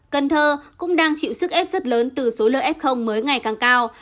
cần thơ cũng đang chịu sức ép rất lớn từ số lượng f mới ngày càng cao